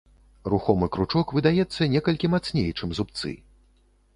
Рухомы кручок выдаецца некалькі мацней, чым зубцы.